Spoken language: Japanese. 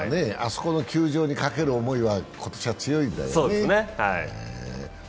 あそこの球場にかける思いが今年は強いんだよね。